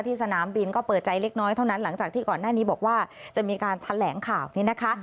สนามบินก็เปิดใจเล็กน้อยเท่านั้นหลังจากที่ก่อนหน้านี้บอกว่าจะมีการแถลงข่าวนี้นะคะ